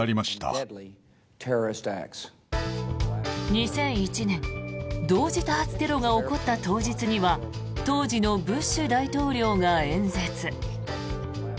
２００１年、同時多発テロが起こった当日には当時のブッシュ大統領が演説。